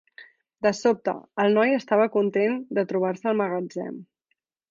De sobte, el noi estava content de trobar-se al magatzem.